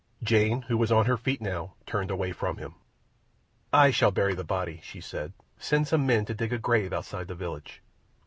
Jane, who was on her feet now, turned away from him. "I shall bury the body," she said. "Send some men to dig a grave outside the village."